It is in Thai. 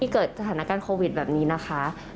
เกิดสถานการณ์โควิดแบบนี้นะคะ